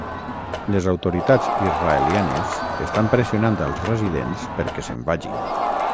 Les autoritats israelianes estan pressionant als residents perquè se'n vagin.